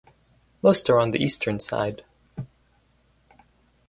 Most are on the eastern side.